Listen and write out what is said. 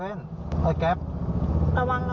ใช่บีดอยู่ข้างหน้า